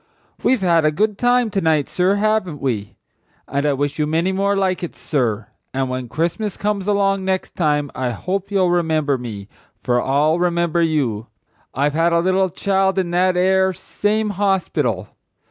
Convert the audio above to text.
"We've had a good time to night, sir, haven't we? And I wish you many more like it, sir. And when Christmas comes along next time I hope you'll remember me, for I'll remember you; I've had a little child in that 'ere same horspital.